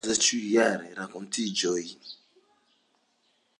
Ekde tiam okazas ĉiujaraj renkontiĝoj.